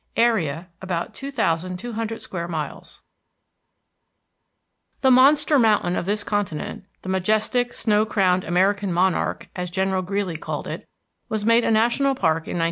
AREA, ABOUT 2,200 SQUARE MILES The monster mountain of this continent, "the majestic, snow crowned American monarch," as General Greeley called it, was made a national park in 1917.